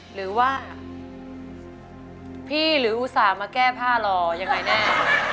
หรือว่าพี่หรืออุตส่าห์มาแก้ผ้ารอยังไงแน่